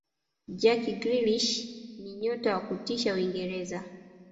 jack grielish ni nyota wa kutisha uingereza